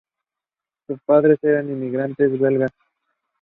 Krasnaya Zvezda is the nearest rural locality.